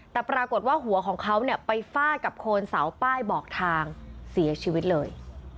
แต่ปรากฏว่าหัวของเขาเนี่ยไปฟาดกับโคนเสาป้ายบอกทางเสียชีวิตเลย